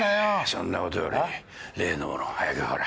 そんなことより例のもの早くほら。